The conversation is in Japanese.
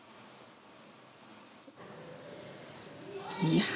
いや。